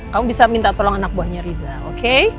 kamu bisa minta tolong anak buahnya riza oke